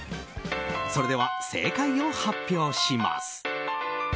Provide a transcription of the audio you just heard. それでは正解を発表します。